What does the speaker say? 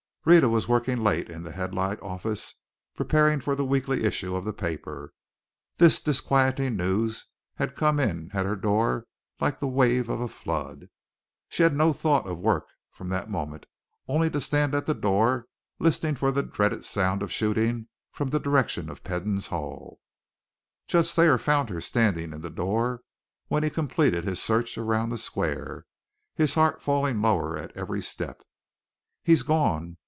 Rhetta was working late in the Headlight office, preparing for the weekly issue of the paper. This disquieting news had come in at her door like the wave of a flood. She had no thought of work from that moment, only to stand at the door listening for the dreaded sound of shooting from the direction of Peden's hall. Judge Thayer found her standing in the door when he completed his search around the square, his heart falling lower at every step. "He's gone!